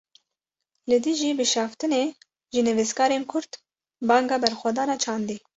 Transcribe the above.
Li dijî bişaftinê, ji nivîskarên Kurd banga berxwedana çandî